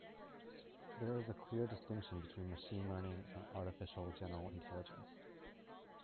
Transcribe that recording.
There is a clear distinction between machine learning and artificial general intelligence.